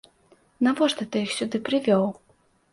Навошта ты іх сюды прывёў?